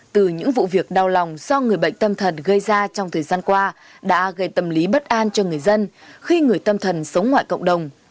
từ những vụ việc đau lòng do người bệnh tâm thần gây ra trong thời gian qua đã gây tâm lý bất an cho người dân khi người tâm thần sống ngoại cộng đồng